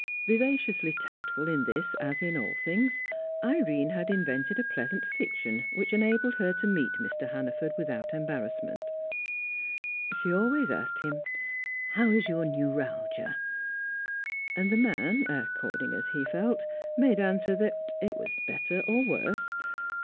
Vivaciously tactful in this as in all things, Irene had invented a pleasant fiction which enabled her to meet Mr. Hannaford without embarrassment; she always asked him "How is your neuralgia?" And the man, according as he felt, made answer that it was better or worse.